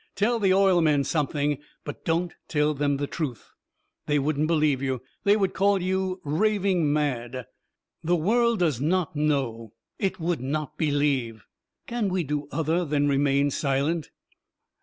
Tell the oil men something. But don't tell then the truth. They wouldn't believe you. They would call you raving mad. "The world does not know. It would not believe. Can we do other than remain silent?"